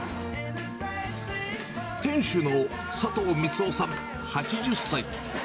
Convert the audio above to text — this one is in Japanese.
店主の佐藤光男さん８０歳。